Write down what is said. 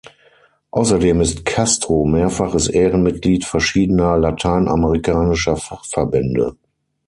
Außerdem ist Castro mehrfaches Ehrenmitglied verschiedener lateinamerikanischer Fachverbände.